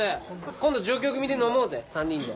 今度上京組で飲もうぜ３人で。